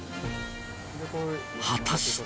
果たして。